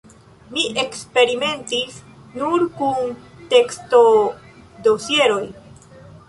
Mi eksperimentis nur kun tekstodosieroj.